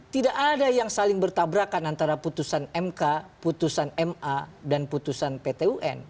tidak ada yang saling bertabrakan antara putusan mk putusan ma dan putusan pt un